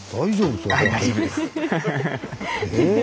大丈夫ですか。